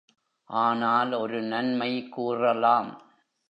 ஆனால் ஒரு நன்மை கூறலாம்!